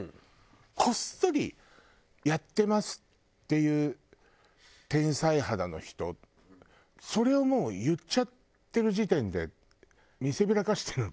こっそりやってますっていう天才肌の人それをもう言っちゃってる時点で。